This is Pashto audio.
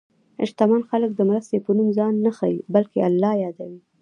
شتمن خلک د مرستې په نوم ځان نه ښيي، بلکې الله یادوي.